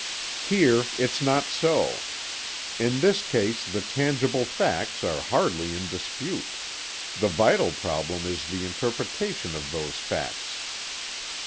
"Here it's not so. In this case the tangible facts are hardly in dispute, the vital problem is the interpretation of those facts.